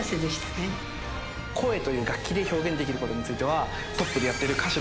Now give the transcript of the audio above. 声という楽器で表現できることについては。